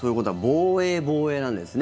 防衛、防衛なんですね。